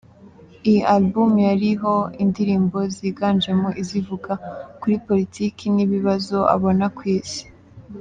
Iyi album yariho indirimbo ziganjemo izivuga kuri politiki n’ibibazo abona ku Isi.